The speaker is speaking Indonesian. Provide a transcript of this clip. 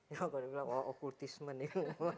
ya kalau dibilang wah okkultisme nih